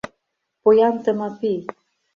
Поян Тымапий.